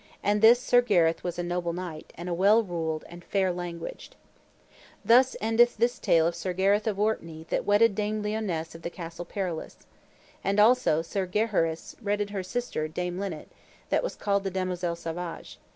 And this Sir Gareth was a noble knight, and a well ruled, and fair languaged. Thus endeth this tale of Sir Gareth of Orkney that wedded Dame Lionesse of the Castle Perilous. And also Sir Gaheris wedded her sister, Dame Linet, that was called the Damosel Sabage.